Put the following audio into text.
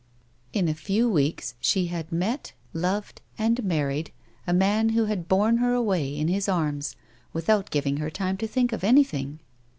In a few weeks she had met. A WOMAN'S LIFE. 77 loved, and married a man who had borne her away in his arms without giving her time to think of anything.